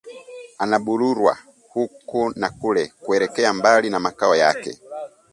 Anabururwa huku na kule, kuelekea mbali na makao yake